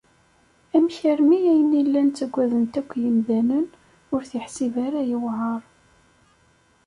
Amek armi ayen i llan ttagaden-t akk yimdanen ur t-iḥsib ara yewɛaṛ?